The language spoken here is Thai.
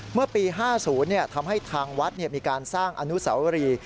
เมื่อปี๕๐ทำให้ทางวัดมีการสร้างอนุสาวรี